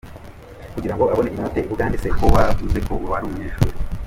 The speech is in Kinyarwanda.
Kugirango abone inote ibugande se kowavuze ko warumunyeshuri